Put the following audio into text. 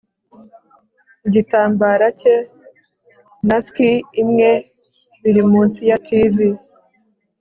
Igitambara cye na ski imwe biri munsi ya TV